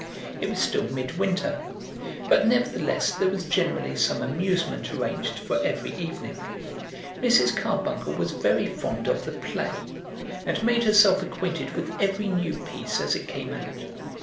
It was still mid winter, but nevertheless there was generally some amusement arranged for every evening. Mrs. Carbuncle was very fond of the play, and made herself acquainted with every new piece as it came out.